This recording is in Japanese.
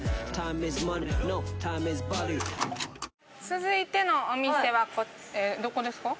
続いてのお店はどこですか？